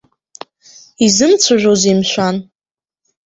Изымцәажәозеи, мшәан?